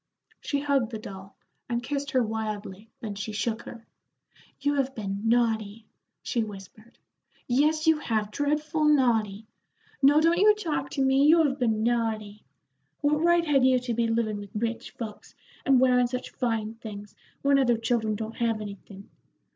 She hugged the doll, and kissed her wildly, then she shook her. "You have been naughty," she whispered "yes, you have, dreadful naughty. No, don't you talk to me; you have been naughty. What right had you to be livin' with rich folks, and wearin' such fine things, when other children don't have anything.